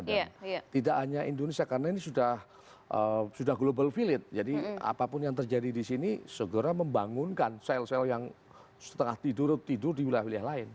dan tidak hanya indonesia karena ini sudah global village jadi apapun yang terjadi di sini segera membangunkan sel sel yang setengah tidur tidur di wilayah wilayah lain